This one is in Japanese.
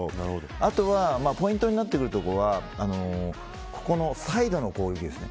あとはポイントになってくるところはここのサイドの攻撃です。